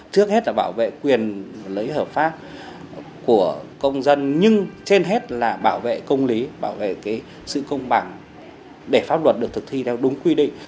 trước hết là bảo vệ quyền lấy hợp pháp của công dân nhưng trên hết là bảo vệ công lý bảo vệ sự công bằng để pháp luật được thực thi theo đúng quy định